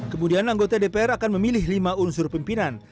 kemudian anggota dpr akan memilih lima unsur pimpinan